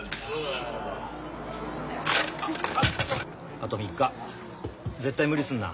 ・あと３日絶対無理すんな。